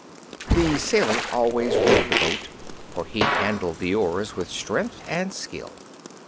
The sailor always rowed the boat, for he handled the oars with strength and skill.